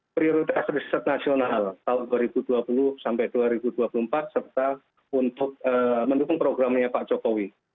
prioritas riset nasional tahun dua ribu dua puluh sampai dua ribu dua puluh empat serta untuk mendukung programnya pak jokowi